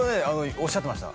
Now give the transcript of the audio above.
おっしゃってました